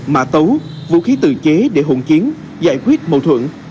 mã tấu vũ khí tự chế để hùng chiến giải quyết mâu thuẫn